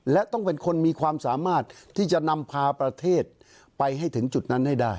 และต้องเป็นคนมีความสามารถที่จะนำพาประเทศไปให้ถึงจุดนั้นให้ได้